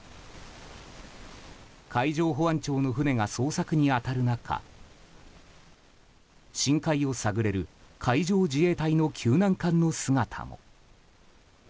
海上保安庁の船が捜索に当たる中深海を探れる海上自衛隊の救難艦の姿も。